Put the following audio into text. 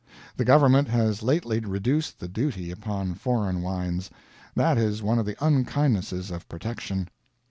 The government has lately reduced the duty upon foreign wines. That is one of the unkindnesses of Protection.